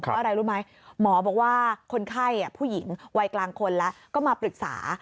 เพราะอะไรรู้ไหมหมอบอกว่าคนไข้ผู้หญิงวัยกลางคนแล้วก็มาปรึกษา